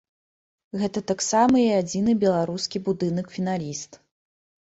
Гэта таксама і адзіны беларускі будынак-фіналіст.